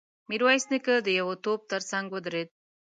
ميرويس نيکه د يوه توپ تر څنګ ودرېد.